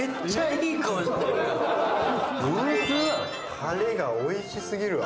タレがおいしすぎるわ。